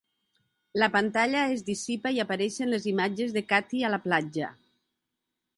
La pantalla es dissipa i apareixen les imatges de Katie a la platja.